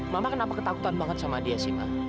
mama kenapa ketakutan banget sama dia sih mbak